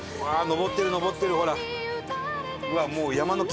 上ってる上ってるほら。